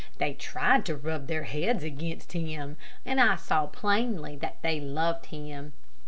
They tried to rub their heads against him, and I saw plainly that they loved him.